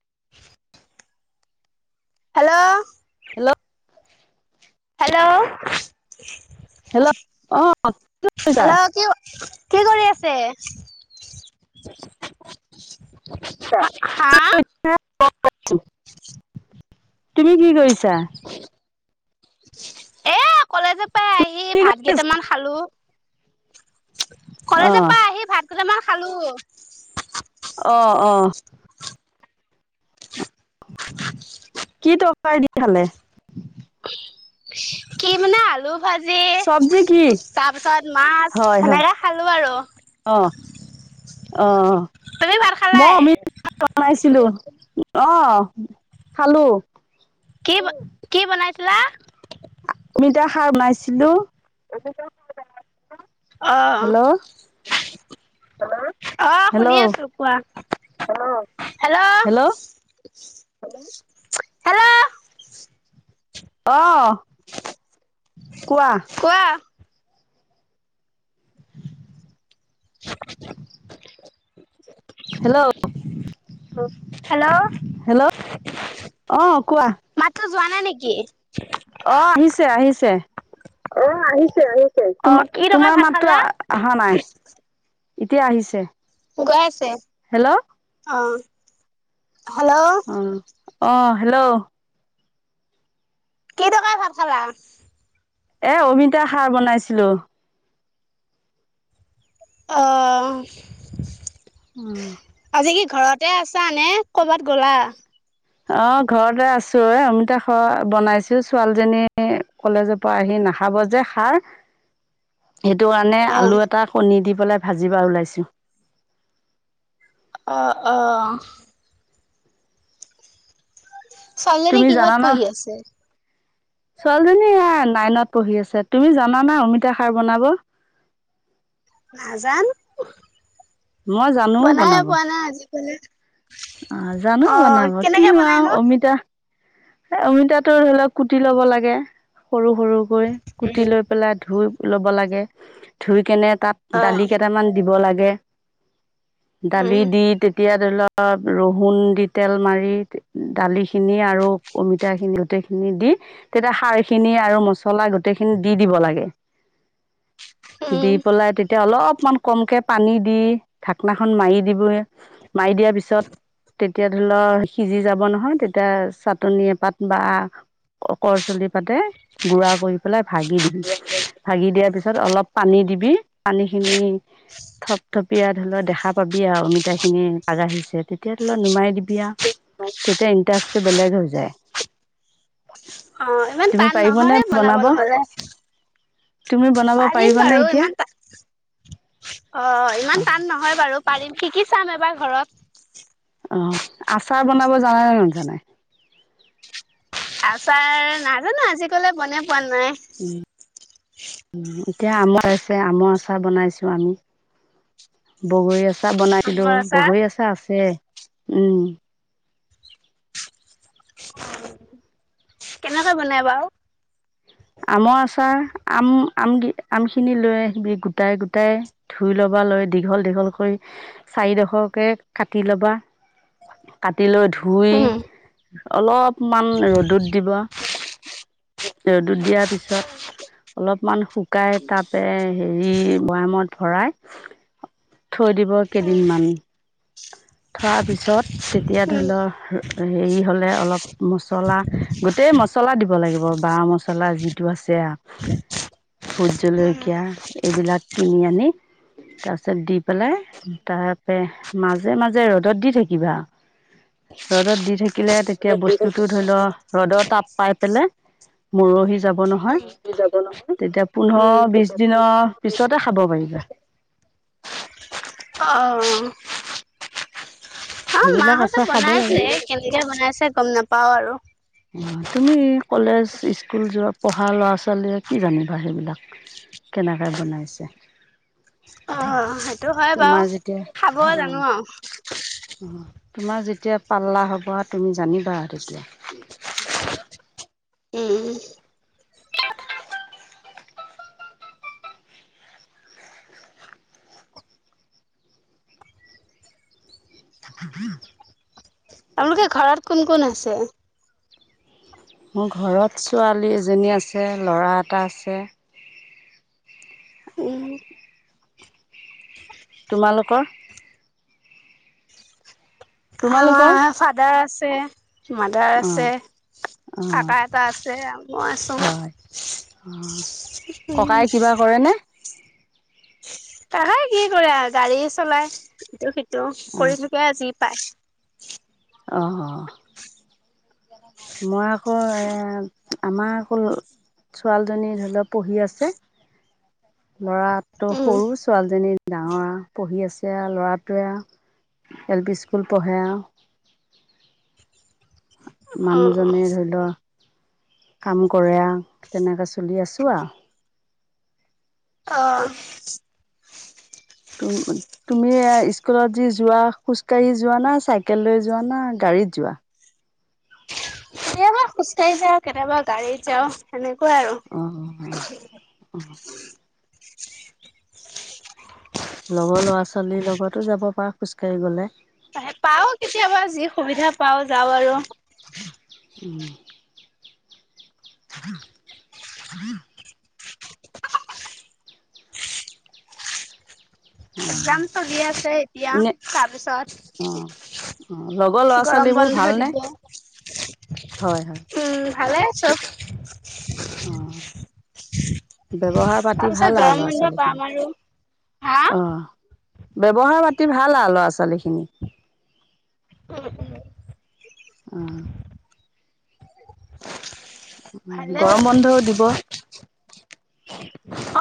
[unintelligible] Hello? Hello hello? Hello, অহ কি কৰিছা? কি কি কৰি আছে? হা [unintelligible] তুমি কি কৰিছা? পাই আহি ভাত কেইটামান খালো। [inaudible] অ কলেজৰ পৰা আহি ভাত কেইটামান খালো। অ অ। কি ত ই [inaudible] দি খালে? কি মানে আলু ভাজি, চব্জি কি তাৰপিছত মাছ হয় হয় এনেকে খালো আৰু। অ, অ। তুমি ভাত মই খালাই অমিত কৰা না [inaudible] ইছিলো অহ খালো। কি কি বনাইছিলা? আমি এতিয়া সাৰ বনাইছিলো। [inaudible] আ আহ। Hello hello? অ শুনি হেল্ল' আছো কোৱা? হেল্ল? Hello hello? হেল্ল'? অ। কোৱা? কোৱা [inaudible] হেল্ল'? হেল্ল' হেল্ল' অ কোৱা মাতটো পোৱা নাই নেকি অ আহিছে আহিছে অ আহিছে আহিছে তোমা তোমাৰ মাতটো আ আহা নাই। এতিয়া আহিছে। উগাই ছে, হেল্ল' অ। হেল্ল'! অ অ হেল্ল'! কি তৰকাৰী ভাত খালা? এ অমিতা সাৰ বনাইছিলোঁ। অ। উম। আজি কি ঘৰতে আছা নে কৰ'বাত গ'লা? অ ঘৰতে আছো এ অমিতা খোৱা বনাইছো, ছোৱালীজনী কলেজৰ পৰা আহি নাখাব যে খাৰ। সেইটো কাৰণে অ', আলু এটা কণী দি পেলাই ভাজিবা ওলাইছো। অ অ। [inaudible] ছোৱালীজনী তুমি কিহত জানানা পঢ়ি আছে? ছোৱালীজনী এইয়া নাইনত পঢ়ি আছে। তুমি জানা না অমিতা খাৰ বনাব? নাজানো। মই জানো বনাব। [inaudible] অ জানো অ', বনাব কেনেকে কিনো‌ বনাই আৰু নো? অমিতা অমিতাটো অলপ কুটি ল'ব লাগে সৰু সৰুকৈ কুটি লৈ পেলাই ধুই লব লাগে, ধুই কেনে তাত দালি অ', কেইটামান দিব লা গে। দালি উম, দি তেতি এতিয়া ধৰি লওক, ৰহুণ দি তেল মাৰি দালিখিনি আৰু অমিতা খিনি গোটেইখিনি দি তেতিয়া, খাৰ খিনি আৰু মছলা গোটেইখিনি দি দিব লাগে। দি উম, পেলাই তেতিয়া অলপ অকণমান কমকৈ পানী দি ঢাকনাখন মাৰি দিবই, মাৰি দিয়াৰ পিছত তেতিয়া ধৰি লওক সিজি যাব নহয় তেতিয়া চা টনিয় এ পাত বা কৰচলি পাতে গুড়া কৰি পেলাই ভাগি দিবি, ভাগি দিয়াৰ পিছত অলপ পানী দিবি পানীখিনি থপ থপ পিয়া ধৰি লওক দেখা পাবি আৰু অমিতাখিনি আগাঢ়িছে তেতিয়া ধৰি লও নুমাই দিবি আৰু। তেতিয়া ইণ্টাস বেলেগ হৈছ চে। অ ইমান টান নহয় বনাব বনাবলৈ হ'লে। তুমি বনাব পাৰিম পাৰিবানে বাৰু এতিয়া ইমান টা, অ অ ইমান টান নহয় বাৰু। পাৰিম শিকি চাম এবাৰ ঘৰত। অ আচাৰ বনাব জানে নে নাজানা? আচাৰ নাজানো আজিকলে বনাই পোৱা নাই। এতিয়া আমৰ আছে, আমৰ আচাৰ বনাইছো আমি। বগৰী আচাৰ চাৰ বনাইছিলো, বগৰী আচাৰ আছে। উম। কেনেকৈ বনাই বাৰু? আমৰ আচাৰ, আম আম আম খিনি লৈ আহিবি গোটাই গোটাই ধুই লবা লৈ দীঘল দীঘল কৰি চাৰিডোখৰকে কাটি ল'বা, কাটি লৈ ধুই ধুই উম, অলপমান ৰ'দত দিবা, ৰ দু দিয়াৰ পিছত, অলপমান শুকাই তাৰপে হেৰি বয়ামত ভৰাই থৈ দিব কেইদিনমান, থোৱাৰ পিছত তেতিয়া ধৰি উম, লও হেৰি হলে অলপ মছলা, গোটেই মছলা দিব লাগিব বা মচলা পচলা যিটো আছে ভোত জলকীয়া এইবিলাক কিনি আনি তাৰপিছত দি পেলাই তাৰ পৰা মাজে মাজে ৰ'দত দি থাকিবা, ৰ'দত দি থাকিলে তেতিয়া বস্তুটো ধৰি লও ৰ'দত তাপ পাই পেলাই মৰহি যাব নহয়। তেতিয়া উম। পোন্ধৰ বিশ দিনৰ পিছতে খাব পাৰিবা। অ। আৰু সেইবিলাক মাহঁতে আছে। বনাইছে কেনেকে বনাইছে গম নাপ পাওঁ আৰু। অ তুমি কলেজ, স্কুল যোৱা পঢ়া ল'ৰা- ছোৱালীয়ে কি জানিবা সেইবিলাক কেনেকৈ বনাইছে। অ সেইটো হয় বাৰু, তোমাৰ যেতিয়া খাব অঁ জানো আৰু। তোমাৰ যেতিয়া পাল্লা হ'ব আৰু তুমি জানিবা তেতিয়া। উম। [unintelligible] আপোনালোকে ঘৰত কোন কোন আছে? মোৰ ঘৰত ছোৱালী এজনী আছে, ল'ৰা এটা আছে। উম। তোমালোকৰ? তোমালোকৰ আমাৰ ফাদাৰ আচ আছে। মাদাৰ অঁ আছে, অঁ কাকা এটা আছ ছে। হয়, অ ককাই কিবা কৰে নে? তাহে কি কৰে আৰু গাড়ী চলাই টো টো কৰি থাকে আজি পাচ অ। মই হয়। আমাৰ হল, ছোৱালীজনী ধৰি লওক পঢ়ি আছে ল'ৰাটো উম, সৰু, ছোৱালীজনী ডাঙৰ পঢ়ি আছে আৰু ল'ৰাটোৱে আৰু এল পি স্কুল পঢ়ে আৰু। হ অ', মানুহজনে ধৰি ল কাম কৰে, তেনেকে চলি আছো আৰু। আহ। টো মানে, তুমি স্কুলত যি যোৱা খোজকাাঢ়ি যোৱা না চাইকেল লৈ যোৱা না গাড়ীত যোৱা? কেতিয়াবা খোজকাঢ়ি যাও কেতিয়াবা গাড়ীত যাও সেনে কৈ আৰু। অঁ অঁ লগৰ ল'ৰা -ছোৱালীৰ লগতো যাব পাৰা খোজ কাঢ়ি গলে। অ কেতিয়াবা যি সুবিধা পাও যাওঁ আৰু। উম। থাকন থাক [inaudible] একজাম চলি আছে এতিয়া, এনে অঁ অঁ লগৰ ল'ৰা তাৰপিছত গৰম ছোৱালীবোৰ বন্ধ ভালনে দিব, হয় হয় উম ভালে আছো। হয় [inaudible] অ। তাৰ পিছত গৰম ল'ৰা বন্ধ ছোৱালীখিনি পাম আৰু হা? অ' ব্যৱহাৰ পাতি ভাল আৰু ল'ৰা- ছোৱালীখিনি। উম উম। আহ। ভালে গৰম বন্ধও দিব।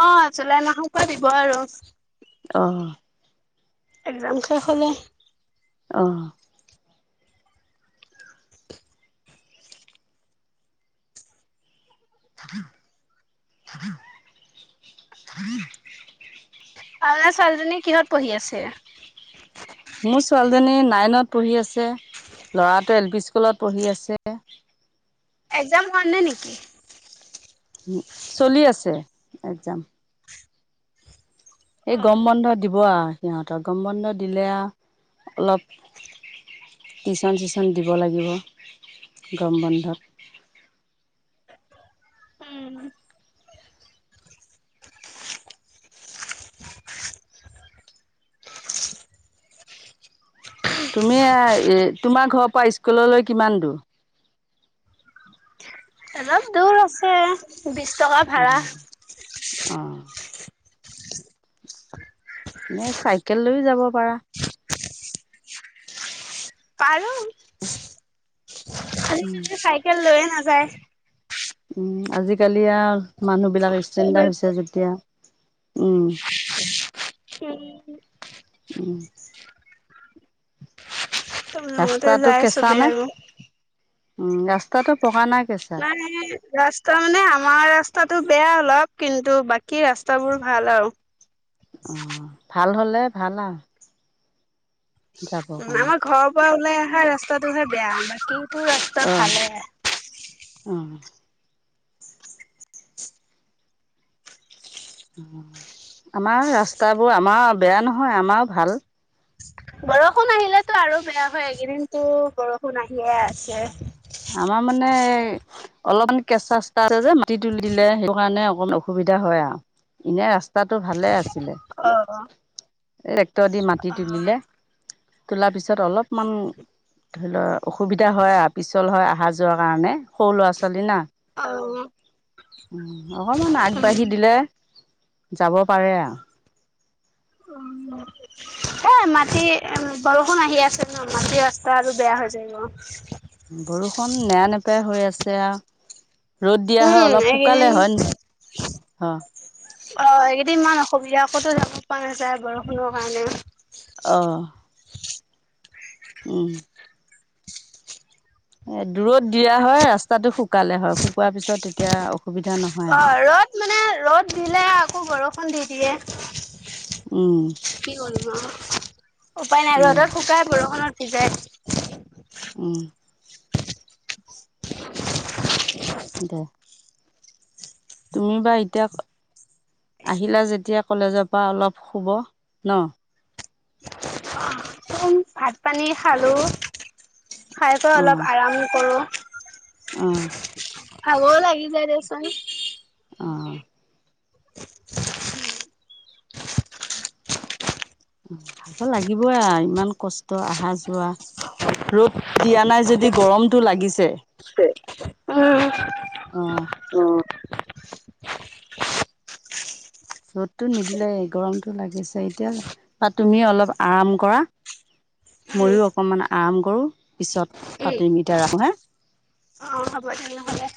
অ জুলাই মাহৰ পৰা দিব আৰু। অহ। একজাম শেষ হ'লে। অহ। [unintelligible] আপোনাৰ ছোৱালীজনী কিহত পঢ়ি আছে? মোৰ ছোৱালীজনী নাইনত পঢ়ি আছে, ল'ৰাটো এল পি স্কুলত পঢ়ি আছে। একজাম হোৱা নাই নেকি? চলি আছে একজাম। এই অ গৰম বন্ধ দিব আৰু। সিহঁতৰ গম বন্ধ দিলে অলপ টিচন চিচন দিব লাগিব গম বন্ধত। উম। তুমি আ এ তোমাৰ ঘৰৰ পৰা স্কুললৈ কিমান দূৰ। অলপ দূৰ আছে। বিশ টকা ভাড়া। অ' অ' এনে চাইকেল লৈও যাব পাৰা। পাৰো। খালি মানে চাইকেল লৈয়ে নাযায়। উম আজিকালি। আও মানুহ বিলাক চবে ষ্টেণ্ডাৰ্ হৈছে যেতিয়া। উ- উম উ। চব ৰুমতে ৰাস্তাতটো কেঁচা নে। উম ৰাস্তাটো পকা নাই কেঁচা নাই ৰাস্তা মানে আমাৰ ৰাস্তাটো বেয়া অলপ। কিন্তু বাকী। কি ৰাস্তাবোৰ ভাল আৰু। অ ভাল হ'লে ভাল আও। উ আমাৰ ঘৰৰ পৰা ওলাই অহা ৰাস্তা। ত তোহে বেয়া বাকী। তোৰ ৰাস্তা ভালে। অহ। আমাৰ ৰাস্তাবোৰ আমাৰ বেয়া নহয় আমাও ভাল। বৰষুণ আহিলেতো আৰু বেয়া হয় এইকেইদিনতো বৰষুণ আহিয়ে আছে। আমাৰ মানে অলপমান কেঁচা চচা আছে যে মাটি তুলি দিলে সেইটো কাৰণে অকমান অসুবিধা হয় আৰু এনে ৰাস্তাটো ভালে আছে। অ টেক্টৰ দি মাতি অ তুলিলে। তোলা পিছত। অলপমান। ধৰিল। অসুবিধা হয় আ। হয় অহা যোৱা কাৰণে সৰু ল'ৰা ছোৱালী না। অ উ অকমান আগবাঢ়ি উম, দিলে। যাব পাৰে আ। এ মাটি বৰষুণ আহি আছে ন মাটি ৰাস্তা আৰু বেয়া হৈ যায়। বৰষুণ নেৰা নেপাই হৈ আছে আৰু। ৰ'দ দিয়া উম হয় অলপ এইকেইদিন শুকালে হয় অ। অ এইকেইদিন ইমান অসুবিধা আ কতো দে পোৱা নাযায় বৰষুণৰ কাৰণে। অ উম। এ দূৰত দিয়া হয় ৰাস্তাটো শুকালে হয়, শুকোৱাৰ পিছত তেতিয়া অ অ ৰ'দ মানে ৰ'দ দিলে আকৌ বৰষুণ দি দিয়ে। [unintelligible] উম। উম। উপায় নাই, উম ৰদত শুকাই বৰষুণত সিজাই। উম। দে। তুমি বা এতিয়া আহিলা যেতিয়া কলেজৰ পৰা অলপ শুব ন। ভাত পানী খালো খাই বৈ অলপ আৰাম কৰো। অহ। ভাগৰ লাগি যায় দেচোন। অহঁ। [unintelligible] ভাগৰ লাগিবই আ ইমান কষ্ট অহা যোৱা, ৰ'দ দিয়া নাই যদি গৰমটো লাগিছে। উম। অহঁ। উম ৰ'দটো নিদিলে গৰমটো লাগিছে, এতিয়া বা তুমি অলপ আৰাম কৰা, ময়ো অকমান আৰাম কৰো পিছত উম পাতিম এতিয়া ৰাখো হে। অ হ'ব তেনেহ'লে